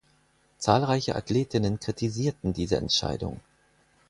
Zahlreiche Athletinnen kritisierten diese Entscheidung.